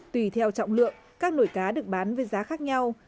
tùy theo trọng lượng các nổi cá được bán với giá khác nhau